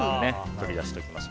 取り出しておきます。